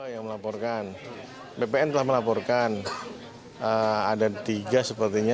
yang melaporkan bpn telah melaporkan ada tiga sepertinya